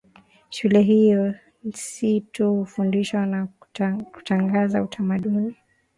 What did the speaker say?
Shule hiyo si tu hufundisha na kutangaza utamaduni